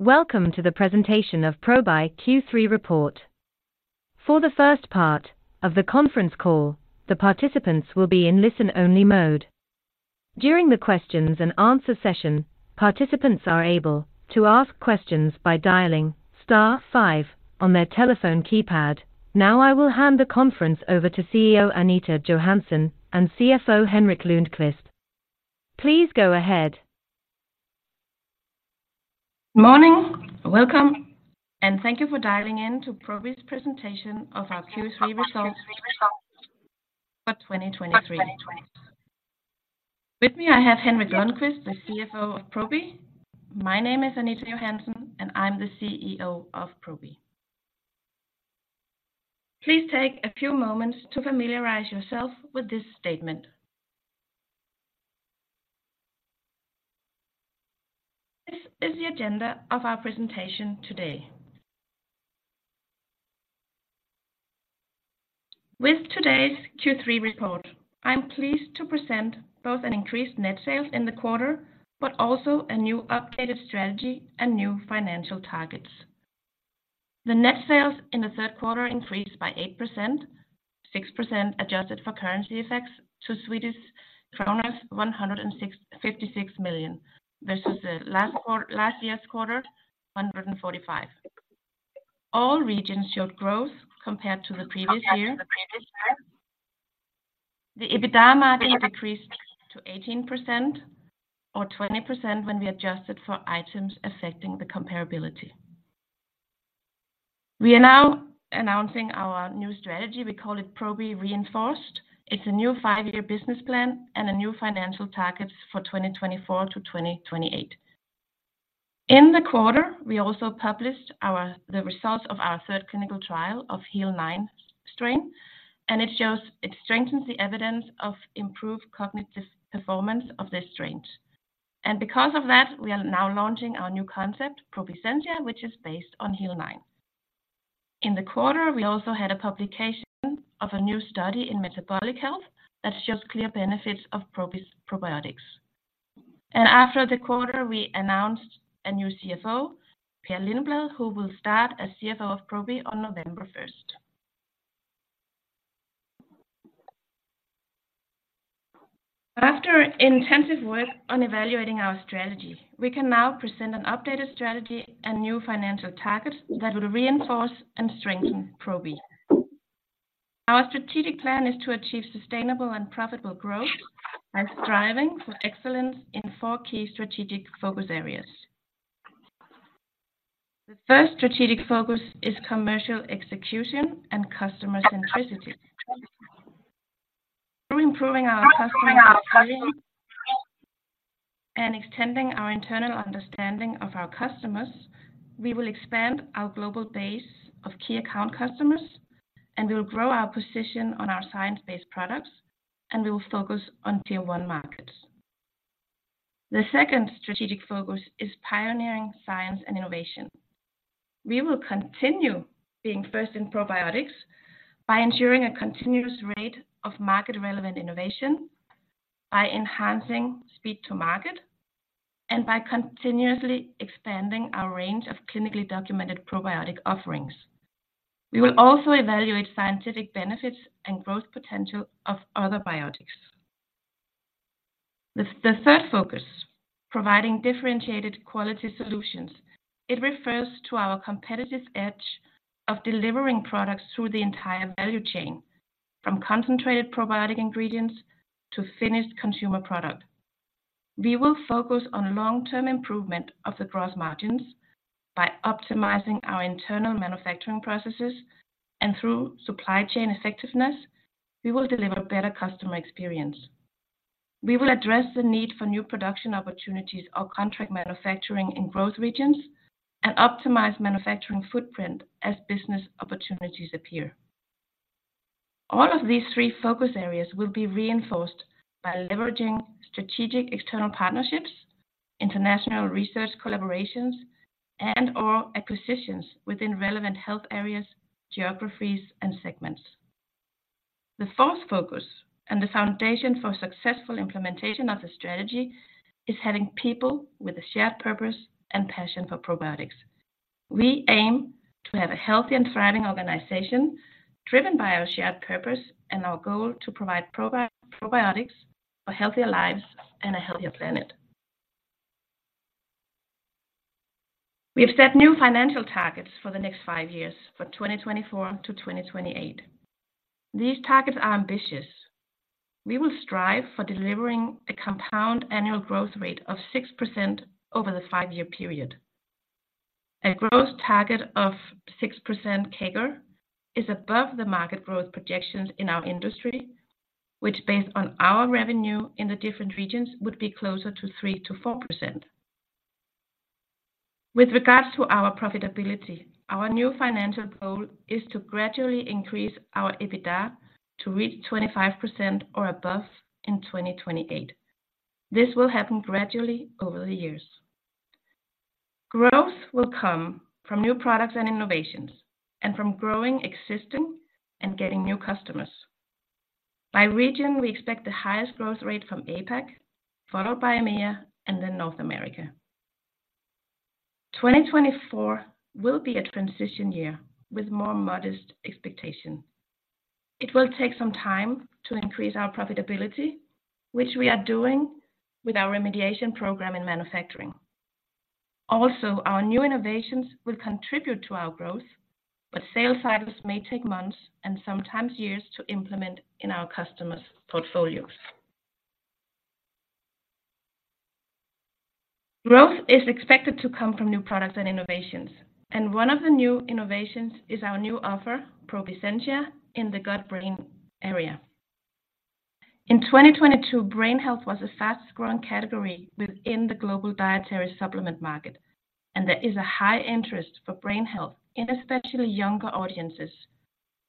Welcome to the presentation of Probi Q3 report. For the first part of the conference call, the participants will be in listen-only mode. During the questions and answer session, participants can ask questions by dialing star five on their telephone keypad. Now, I will hand the conference over to our CEO, Anita Johansen and CFO, Henrik Lundkvist. Please go ahead. Morning. Welcome, and thank you for dialing in to Probi's presentation of our Q3 results for 2023. With me, I have Henrik Lundkvist, the CFO of Probi. My name is Anita Johansen, and I'm the CEO of Probi. Please take a few moments to familiarize yourself with this statement. This is the agenda of our presentation today. With today's Q3 report, I'm pleased to present increased net sales in the quarter, but also a new updated strategy and new financial targets. The net sales in the third quarter increased by 8%, 6% adjusted for currency effects to Swedish kronor 156 million, versus last year's quarter, 145. All regions showed growth compared to the previous year. The EBITDA margin decreased to 18% or 20% when we adjusted for items affecting the comparability. We are now announcing our new strategy. We call it Probi Reinforced. It's a new five-year business plan and new financial targets for 2024-2028. In the quarter, we also published the results of our third clinical trial of HEAL9 strain, and it shows it strengthens the evidence of improved cognitive performance of this strain. And because of that, we are now launching our new concept, Probi Sensia, which is based on HEAL9. In the quarter, we also had a publication of a new study in metabolic health that shows clear benefits of Probi's probiotics. And after the quarter, we announced a new CFO, Per Lindblad, who will start as CFO of Probi on November first. After intensive work on evaluating our strategy, we can now present an updated strategy and new financial targets that will reinforce and strengthen Probi. Our strategic plan is to achieve sustainable and profitable growth by striving for excellence in four key strategic focus areas. The first strategic focus is commercial execution and customer centricity. Through improving our customer and extending our internal understanding of our customers, we will expand our global base of key account customers, and we will grow our position on our science-based products, and we will focus on tier-one markets. The second strategic focus is pioneering science and innovation. We will continue to be first in probiotics by ensuring a continuous rate of market-relevant innovation, by enhancing speed to market, and by continuously expanding our range of clinically documented probiotic offerings. We will also evaluate scientific benefits and growth potential of other biotics. The third focus, providing differentiated quality solutions. It refers to our competitive edge of delivering products through the entire value chain, from concentrated probiotic ingredients to finished consumer product. We will focus on long-term improvement of the gross margins by optimizing our internal manufacturing processes, and through supply chain effectiveness, we will deliver better customer experience. We will address the need for new production opportunities or contract manufacturing in growth regions and optimize manufacturing footprint as business opportunities appear. All of these three focus areas will be reinforced by leveraging strategic external partnerships, international research collaborations, and/or acquisitions within relevant health areas, geographies, and segments. The fourth focus, and the foundation for successful implementation of the strategy, is having people with a shared purpose and passion for probiotics. We aim to have a healthy and thriving organization driven by our shared purpose and our goal to provide probiotics for healthier lives and a healthier planet. We have set new financial targets for the next five years, for 2024 to 2028. These targets are ambitious. We will strive for delivering a compound annual growth rate of 6% over the five-year period. A growth target of 6% CAGR is above the market growth projections in our industry, which, based on our revenue in the different regions, would be closer to 3%-4%. With regards to our profitability, our new financial goal is to gradually increase our EBITDA to reach 25% or above in 2028. This will happen gradually over the years. Growth will come from new products and innovations, and from growing existing and getting new customers.... By region, we expect the highest growth rate from APAC, followed by EMEA, and then North America. 2024 will be a transition year with more modest expectations. It will take some time to increase our profitability, which we are doing with our remediation program in manufacturing. Also, our new innovations will contribute to our growth, but sales cycles may take months and sometimes years to implement in our customers' portfolios. Growth is expected to come from new products and innovations, and one of the new innovations is our new offer, Probi Sensia, in the gut-brain area. In 2022, brain health was the fastest-growing category within the global dietary supplement market, and there is a high interest for brain health in especially younger audiences,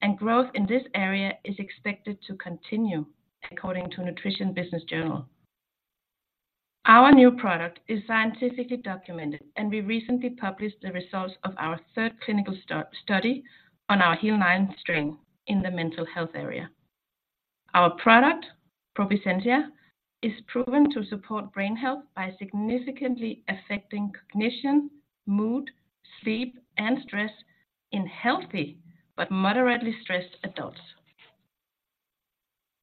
and growth in this area is expected to continue, according to Nutrition Business Journal. Our new product is scientifically documented, and we recently published the results of our third clinical study on our HEAL9 strain in the mental health area. Our product, Probi Sensia, is proven to support brain health by significantly affecting cognition, mood, sleep, and stress in healthy but moderately stressed adults.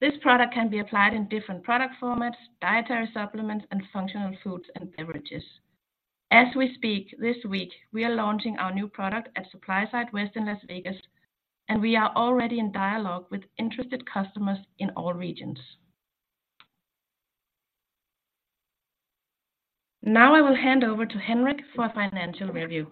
This product can be applied in different product formats, dietary supplements, and functional foods and beverages. As we speak, this week, we are launching our new product at SupplySide West in Las Vegas, and we are already in dialogue with interested customers in all regions. Now, I will hand over to Henrik for a financial review.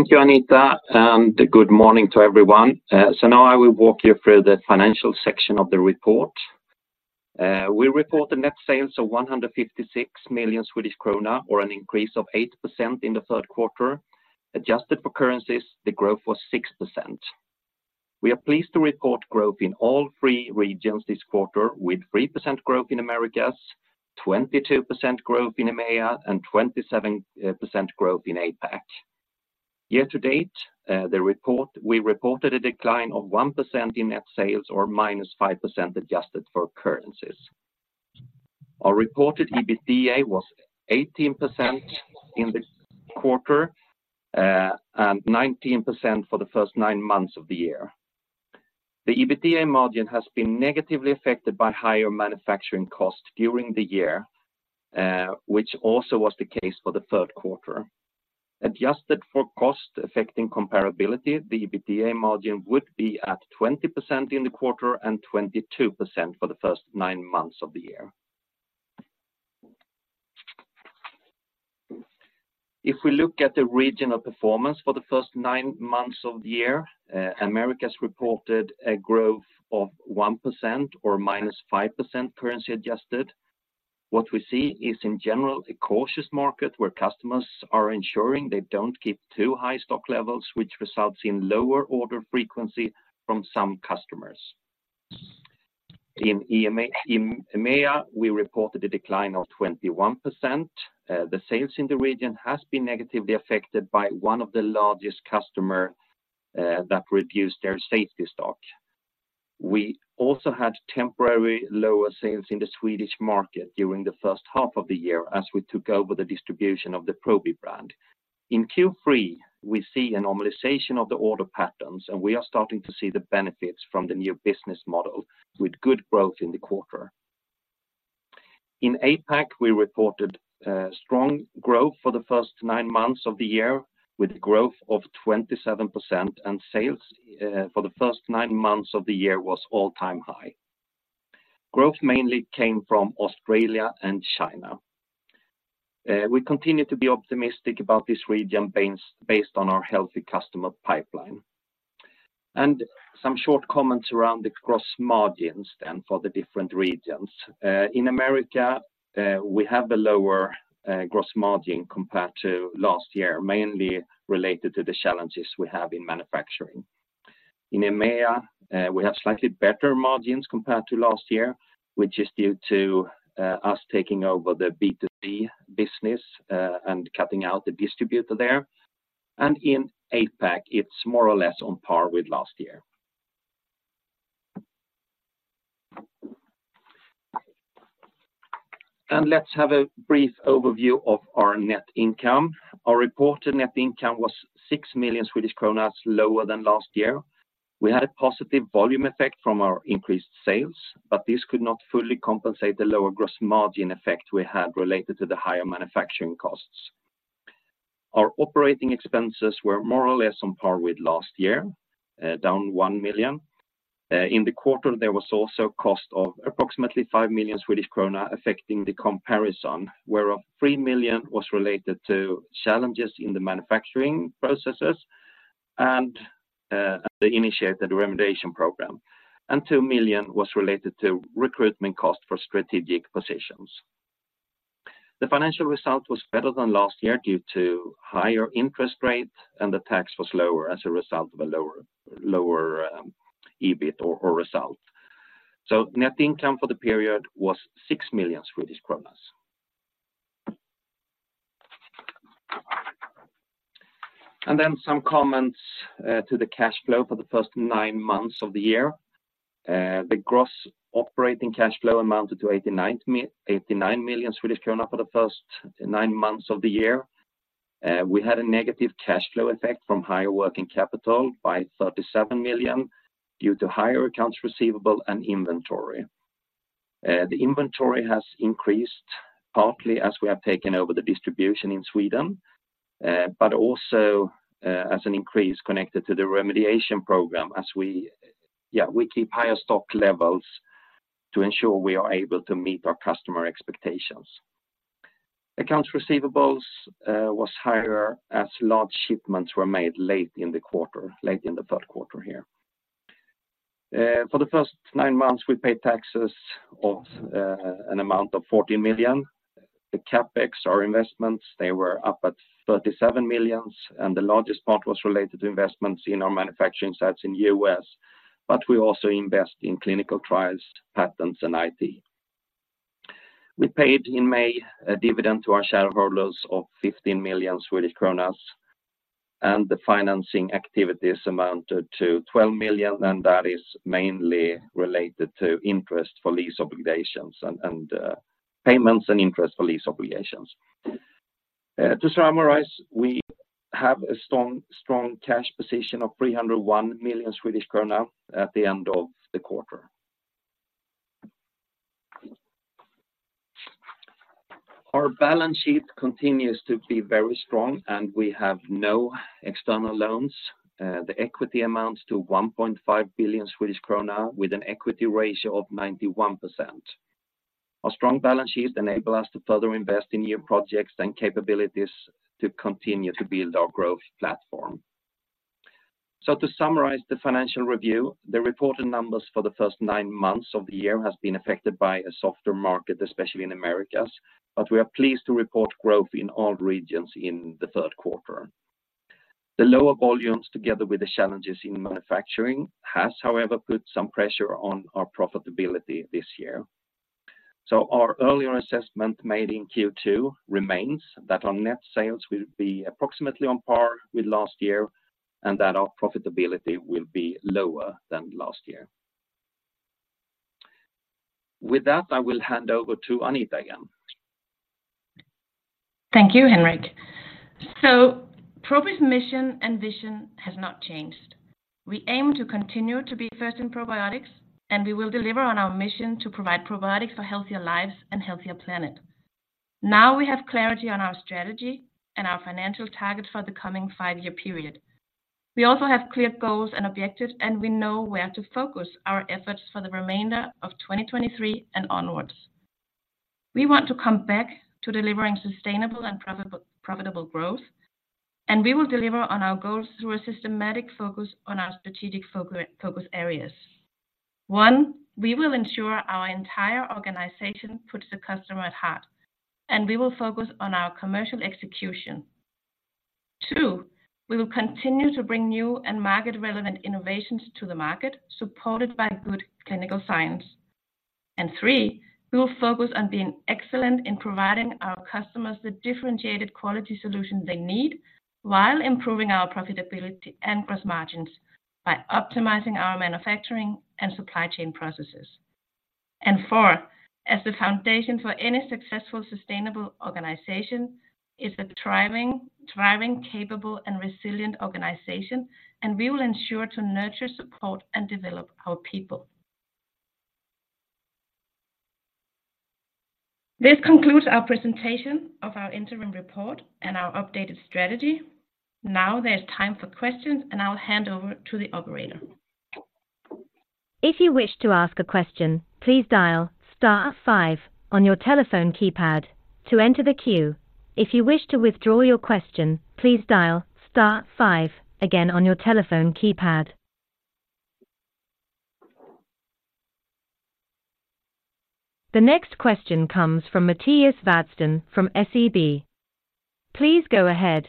Thank you, Anita, and good morning to everyone. Now I will walk you through the financial section of the report. We report the net sales of 156 million Swedish krona, or an increase of 8% in the third quarter. Adjusted for currencies, the growth was 6%. We are pleased to report growth in all three regions this quarter, with 3% growth in Americas, 22% growth in EMEA, and 27% growth in APAC. Year to date, we reported a decline of 1% in net sales, or -5% adjusted for currencies. Our reported EBITDA was 18% in this quarter, and 19% for the first nine months of the year. The EBITDA margin has been negatively affected by higher manufacturing costs during the year, which also was the case for the third quarter. Adjusted for cost affecting comparability, the EBITDA margin would be at 20% in the quarter and 22% for the first nine months of the year. If we look at regional performance for the first nine months of the year, Americas reported a growth of 1% or -5% currency adjusted. What we see is, in general, a cautious market where customers are ensuring they don't keep too high stock levels, which results in lower order frequency from some customers. in EMEA, we reported a decline of 21%. sales in the region has been negatively affected by one of the largest customers, that reduced their safety stock. We also had temporary lower sales in the Swedish market during the first half of the year as we took over the distribution of the Probi brand. In Q3, we see a normalization of the order patterns, and we are starting to see the benefits from the new business model with good growth in the quarter. In APAC, we reported strong growth for the first nine months of the year, with growth of 27%, and sales for the first nine months of the year was all-time high. Growth mainly came from Australia and China. We continue to be optimistic about this region, based on our healthy customer pipeline. And some short comments around the gross margins then for the different regions. In America, we have a lower gross margin compared to last year, mainly related to the challenges we have in manufacturing. In EMEA, we have slightly better margins compared to last year, which is due for us taking over the B2C business and cutting out the distributor there. In APAC, it's more or less on par with last year. Let's have a brief overview of our net income. Our reported net income was 6 million Swedish kronor lower than last year. We had a positive volume effect from our increased sales, but this could not fully compensate the lower gross margin effect we had related to the higher manufacturing costs. Our operating expenses were more or less on par with last year, down 1 million. In the quarter, there was also a cost of approximately 5 million Swedish krona affecting the comparison, of which 3 million was related to challenges in the manufacturing processes and the initiated remediation program, and 2 million was related to recruitment costs for strategic positions. The financial result was better than last year due to higher interest rates, and the tax was lower as a result of a lower EBIT or result. Net income for the period was 6 million Swedish kronor. Some comments to the cash flow for the first nine months of the year. The gross operating cash flow amounted to 89 million Swedish krona for the first nine months of the year. We had a negative cash flow effect from higher working capital by 37 million, due to higher accounts receivable and inventory. The inventory has increased partly as we have taken over the distribution in Sweden, but also as an increase connected to the remediation program, we keep higher stock levels to ensure we are able to meet our customer expectations. Accounts receivables was higher as large shipments were made late in the quarter, late in the third quarter here. For the first nine months, we paid taxes of an amount of 40 million. The CapEx, our investments, they were up at 37 million, and the largest part was related to investments in our manufacturing sites in U.S., but we also invest in clinical trials, patents, and IT. We paid in May a dividend to our shareholders of 15 million Swedish kronor, and the financing activities amounted to 12 million, and that is mainly related to interest for lease obligations and payments and interest for lease obligations. To summarize, we have a strong, strong cash position of 301 million Swedish krona at the end of the quarter. Our balance sheet continues to be very strong, and we have no external loans. The equity amounts to 1.5 billion Swedish krona, with an equity ratio of 91%. Our strong balance sheet enables us to further invest in new projects and capabilities to continue to build our growth platform. To summarize the financial review, the reported numbers for the first nine months of the year has been affected by a softer market, especially in Americas, but we are pleased to report growth in all regions in the third quarter. The lower volumes, together with the challenges in manufacturing, has, however, put some pressure on our profitability this year. Our earlier assessment made in Q2 remains that our net sales will be approximately on par with last year, and that our profitability will be lower than last year. With that, I will hand over to Anita again. Thank you, Henrik. So Probi's mission and vision has not changed. We aim to continue to be first in probiotics, and we will deliver on our mission to provide probiotics for healthier lives and a healthier planet. Now, we have clarity on our strategy and our financial targets for the coming five-year period. We also have clear goals and objectives, and we know where to focus our efforts for the remainder of 2023 and onwards. We want to come back to delivering sustainable and profitable growth, and we will deliver on our goals through a systematic focus on our strategic focus areas. One, we will ensure our entire organization puts the customer at heart, and we will focus on our commercial execution. Two, we will continue to bring new and market-relevant innovations to the market, supported by good clinical science. And three, we will focus on being excellent in providing our customers the differentiated quality solution they need, while improving our profitability and gross margins by optimizing our manufacturing and supply chain processes. And four, as the foundation for any successful, sustainable organization is a thriving, capable, and resilient organization, and we will ensure to nurture, support, and develop our people. This concludes our presentation of our interim report and our updated strategy. Now, there's time for questions, and I'll hand over to the operator. If you wish to ask a question, please dial star five on your telephone keypad to enter the queue. If you wish to withdraw your question, please dial star five again on your telephone keypad. The next question comes from Mattias Vadsten from SEB. Please go ahead.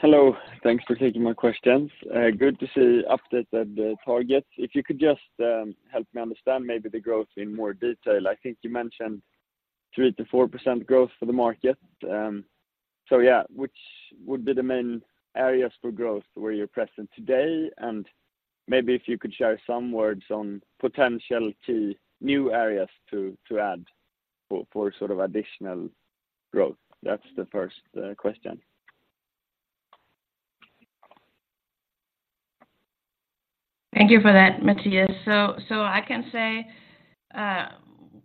Hello, thanks for taking my questions. Good to see updates at the targets. If you could just help me understand maybe the growth in more detail. I think you mentioned 3%-4% growth for the market. So which would be the main areas for growth where you're present today? And maybe if you could share some words on potential to new areas to add for sort of additional growth. That's the first question. Thank you for that, Mattias. So I can say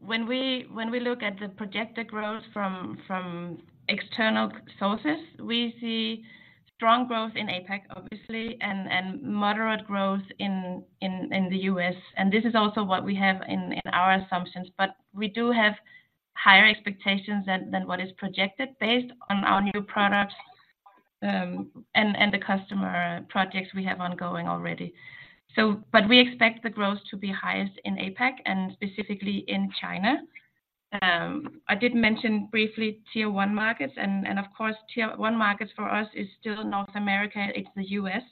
when we look at the projected growth from external sources, we see strong growth in APAC, obviously, and moderate growth in the US. And this is also what we have in our assumptions. But we do have higher expectations than what is projected based on our new products and the customer projects we have ongoing already. So but we expect the growth to be highest in APAC and specifically in China. I did mention briefly tier one markets, and of course, tier one markets for us is still North America, it's the US.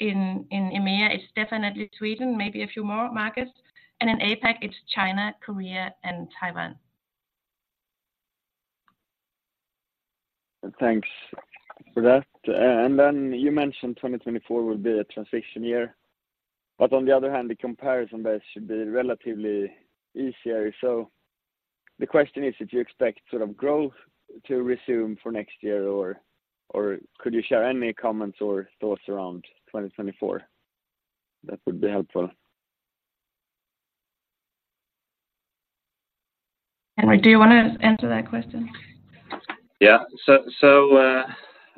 In EMEA, it's definitely Sweden, maybe a few more markets. And in APAC, it's China, Korea, and Taiwan.... Thanks for that. And then you mentioned 2024 will be a transition year, but on the other hand, the comparison base should be relatively easier. So the question is, did you expect sort of growth to resume for next year, or could you share any comments or thoughts around 2024? That would be helpful. Henrik, do you want to answer that question? So,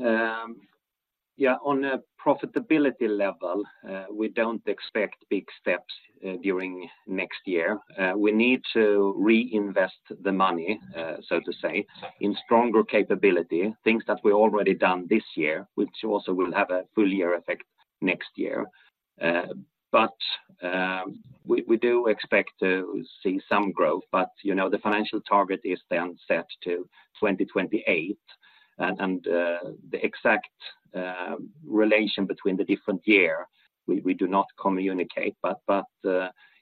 on a profitability level, we don't expect big steps during next year. We need to reinvest the money, so to say, in stronger capability, things that we already done this year, which also will have a full year effect next year. But, we do expect to see some growth, but, the financial target is then set to 2028. And, the exact relation between the different year, we do not communicate, but,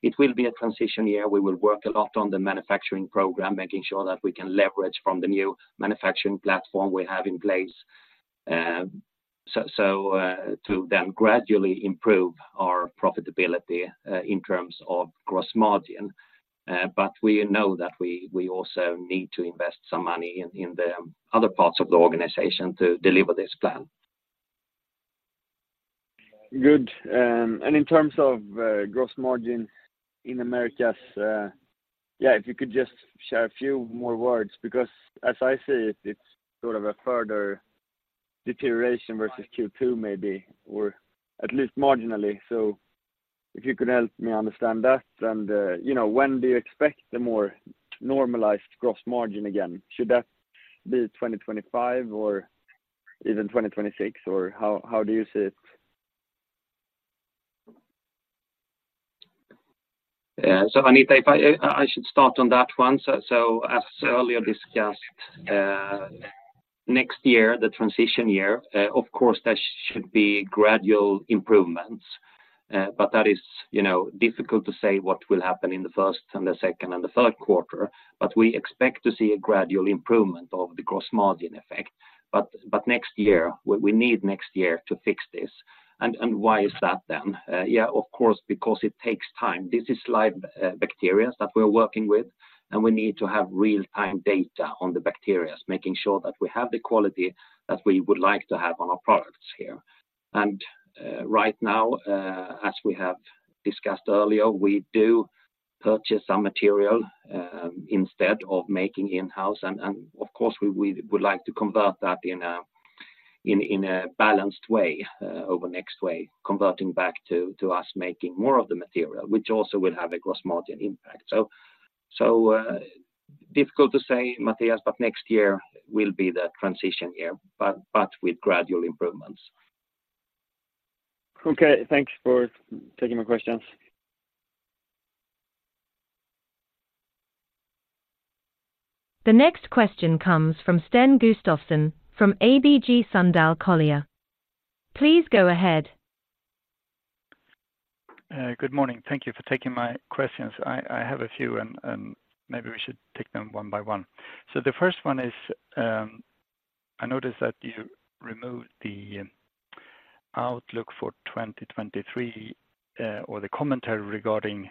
it will be a transition year. We will work a lot on the manufacturing program, making sure that we can leverage from the new manufacturing platform we have in place. So, to then gradually improve our profitability, in terms of gross margin. We know that we also need to invest some money in the other parts of the organization to deliver this plan. Good. And in terms of gross margin in Americas, if you could just share a few more words, because as I see it, it's sort of a further deterioration versus Q2, maybe, or at least marginally. So if you could help me understand that, when do you expect the more normalized gross margin again? Should that be 2025 or even 2026, or how do you see it? Anita, I should start on that one. as discussed earlier, next year is the transition year. Of course, there should be gradual improvements, but that is difficult to say what will happen in the first, second, and third quarter. We expect to see a gradual improvement of the gross margin effect. Next year, we need next year to fix this. Why is that then? of course, because it takes time. This is live bacteria that we're working with, and we need to have real-time data on the bacterias, making sure that we have the quality that we would like to have on our products here. Right now, as we have discussed earlier, we purchase some material instead of producing it in-house. Of course, we would like to convert that in a balanced way, over next year, converting back for us making more of the material, which also will have a gross margin impact. So, difficult to say, Mattias, but next year will be the transition year, but with gradual improvements. Okay. Thanks for taking my questions. The next question comes from Sten Gustafsson, from ABG Sundal Collier. Please go ahead. Good morning. Thank you for taking my questions. I have a few, and maybe we should take them one by one. So the first one is, I noticed that you removed the outlook for 2023, or the commentary regarding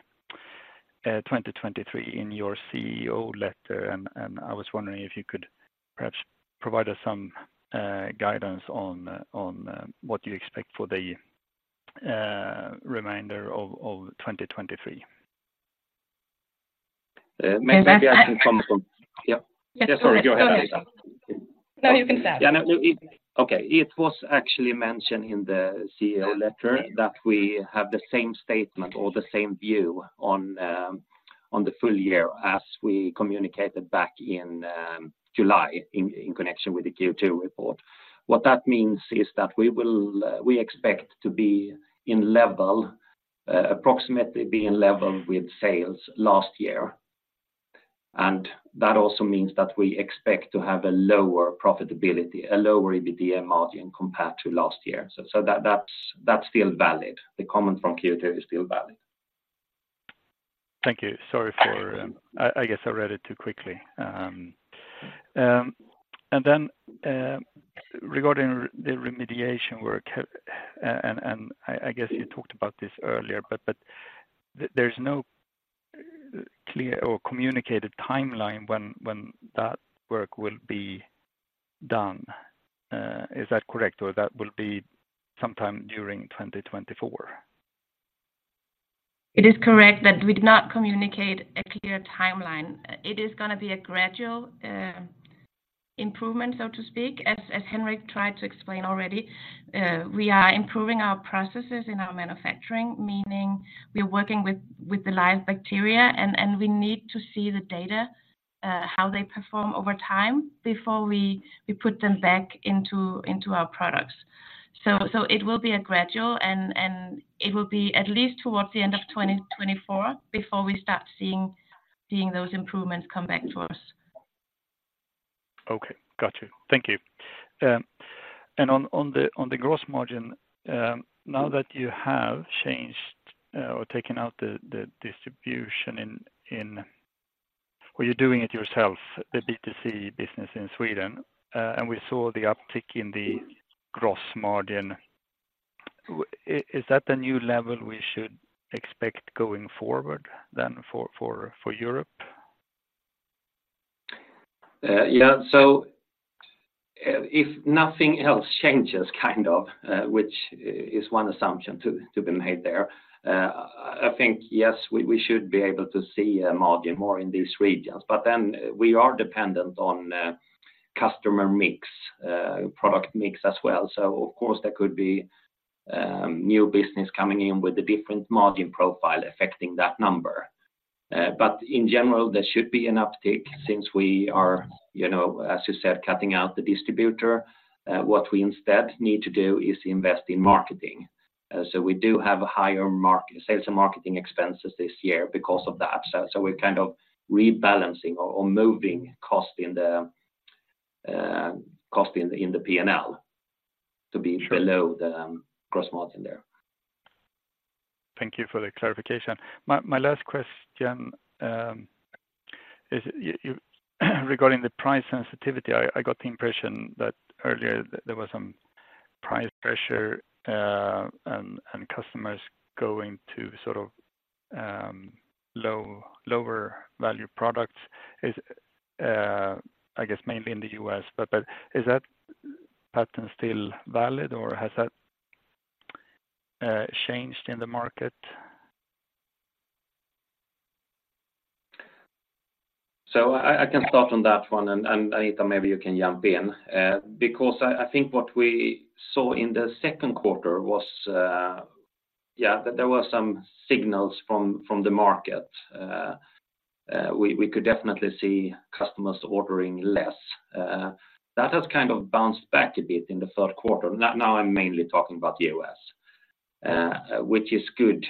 2023 in your CEO letter, and I was wondering if you could perhaps provide us some guidance on what you expect for the remainder of 2023. Maybe I can comment on. Sorry, go ahead. No, you can start. Okay. It was actually mentioned in the CEO letter that we have the same statement or the same view on the full year as we communicated back in July, in connection with the Q2 report. What that means is that we will, we expect to be in level, approximately in level with sales last year. And that also means that we expect to have a lower profitability, a lower EBITDA margin compared to last year. So, that, that's still valid. The comment from Q2 is still valid. Thank you. Sorry for, I guess I read it too quickly. And then, regarding the remediation work, and I guess you talked about this earlier, but there's no clear or communicated timeline when that work will be done. Is that correct, or that will be sometime during 2024? It is correct that we did not communicate a clear timeline. It is gonna be a gradual improvement, so to speak, as Henrik tried to explain already. We are improving our processes in our manufacturing, meaning we are working with the live bacteria, and we need to see the data how they perform over time before we put them back into our products. So it will be a gradual, and it will be at least towards the end of 2024 before we start seeing those improvements come back for us. Okay, got you. Thank you. And on the gross margin, now that you have changed or taken out the distribution in where you're doing it yourself, the B2C business in Sweden, and we saw the uptick in the gross margin, is that the new level we should expect going forward then for Europe? So, if nothing else changes, which is one assumption to be made there, I think, yes, we should be able to see a margin more in these regions, but then we are dependent on customer mix, product mix as well. So of course, there could be new business coming in with a different margin profile affecting that number. But in general, there should be an uptick since we are, as you said, cutting out the distributor. What we instead need to do is invest in marketing. So we do have a higher sales and marketing expenses this year because of the upsell, so we're rebalancing or moving cost in the cost in the P&L to be below the gross margin there. Thank you for the clarification. My last question is, you, regarding the price sensitivity, I got the impression that earlier there was some price pressure, and customers going to sort of lower value products. Is, I guess, mainly in the US, but is that pattern still valid, or has that changed in the market? So I can start on that one, and Anita, maybe you can jump in, because I think what we saw in the second quarter was, that there was some signals from the market. We could definitely see customers ordering less. That has bounced back a bit in the third quarter. Now, I'm mainly talking about the US, which is good,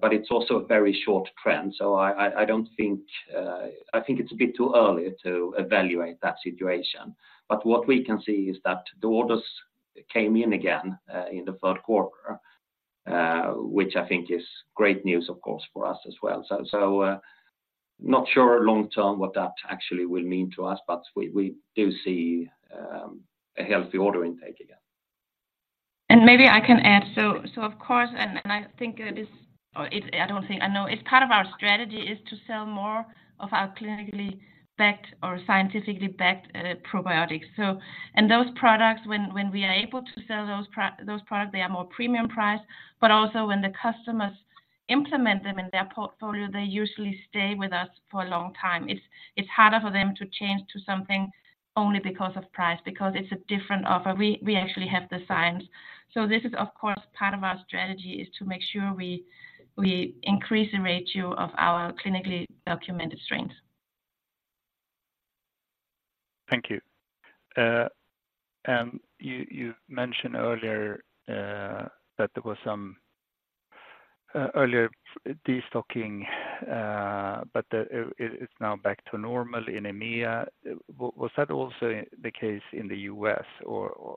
but it's also a very short trend, so I don't think... I think it's a bit too early to evaluate that situation. But what we can see is that the orders came in again in the third quarter, which I think is great news, of course, for us as well. So, not sure long term what that actually will mean for us, but we do see a healthy order intake again. And maybe I can add. So, of course, and I think it is, or I don't think, I know, it's part of our strategy is to sell more of our clinically backed or scientifically backed probiotics. So, and those products, when we are able to sell those products, they are more premium priced, but also when the customers implement them in their portfolio, they usually stay with us for a long time. It's harder for them to change to something only because of price, because it's a different offer. We actually have the science. So this is, of course, part of our strategy, is to make sure we increase the ratio of our clinically documented strains. Thank you. And you, you mentioned earlier that there was some earlier destocking, but that it, it's now back to normal in EMEA. Was that also the case in the US, or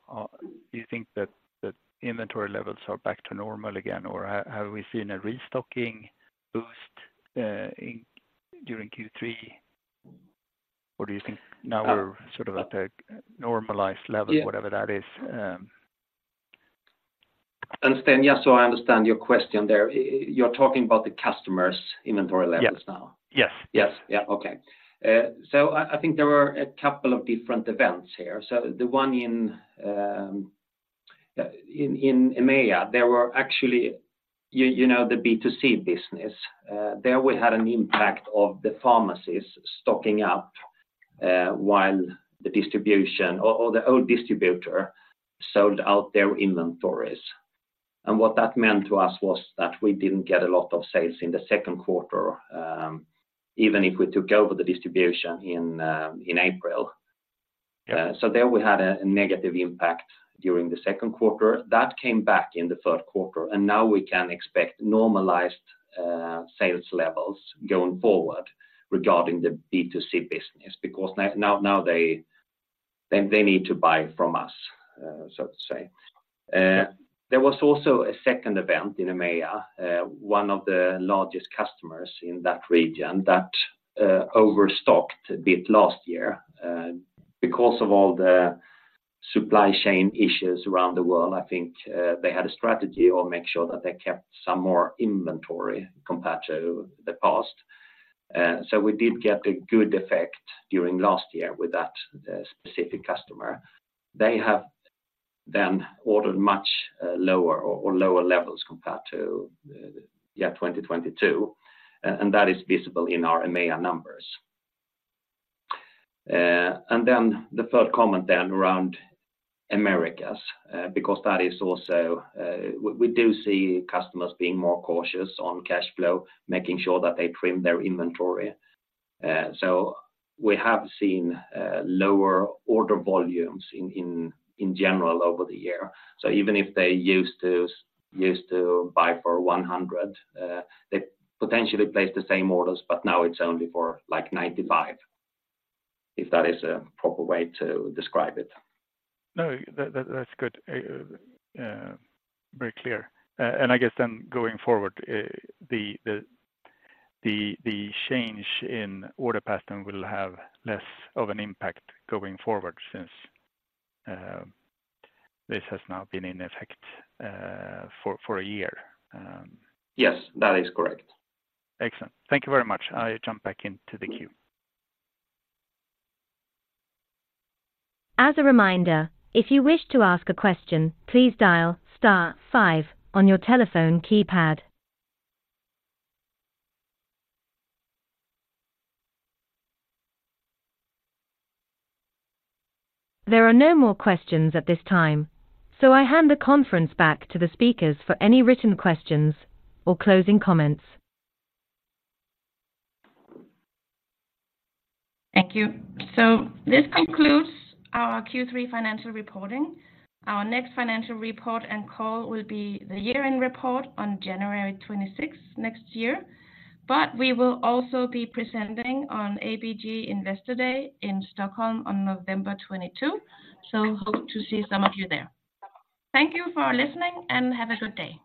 do you think that the inventory levels are back to normal again, or have we seen a restocking boost in during Q3? Or do you think now we're sort of at a normalized level, whatever that is? Yes, so I understand your question there. You're talking about the customer's inventory levels now? Yes. Yes. okay. So I think there were a couple of different events here. So the one in EMEA, there were actually, the B2C business. There we had an impact of the pharmacies stocking up, while the distribution or the old distributor sold out their inventories. And what that meant for us was that we didn't get a lot of sales in the second quarter, even if we took over the distribution in April. So there we had a negative impact during the second quarter. That came back in the third quarter, and now we can expect normalized sales levels going forward regarding the B2C business, because now they need to buy from us, so to say. There was also a second event in EMEA, one of the largest customers in that region that overstocked a bit last year. Because of all the supply chain issues around the world, I think, they had a strategy or make sure that they kept some more inventory compared to the past. So we did get a good effect during last year with that specific customer. They have then ordered much lower or lower levels compared to 2022, and that is visible in our EMEA numbers. And then the third comment then around Americas, because that is also, we do see customers being more cautious on cash flow, making sure they trim their inventory. So we have seen lower order volumes in general over the year. So even if they used to buy for 100, they potentially place the same orders, but now it's only for like 95, if that is a proper way to describe it. No, that's good. Very clear. And I guess then going forward, the change in order pattern will have less of an impact going forward since this has now been in effect for a year. Yes, that is correct. Excellent. Thank you very much. I jump back into the queue. As a reminder, if you wish to ask a question, please dial star five on your telephone keypad. There are no more questions at this time, so I hand the conference back to the speakers for any written questions or closing comments. Thank you. So this concludes our Q3 financial reporting. Our next financial report and call will be the year-end report on January 26th next year, but we will also be presenting on ABG Investor Day in Stockholm on November 22, so hope to see some of you there. Thank you for listening, and have a good day.